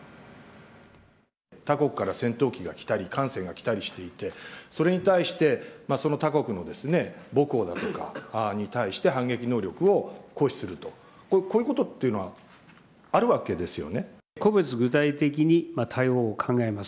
他国から戦闘機が来たり、艦船が来たりしていて、それに対して、その他国の母港だとかに対して、反撃能力を行使すると、こういうことっていうのは、あるわけです個別具体的に対応を考えます。